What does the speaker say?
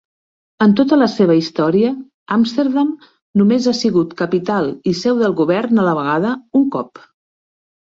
En tota la seva història, Amsterdam només ha sigut "capital" i seu del govern a la vegada un cop.